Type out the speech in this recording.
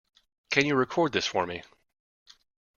Can you record this for me?